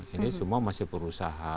ini semua masih berusaha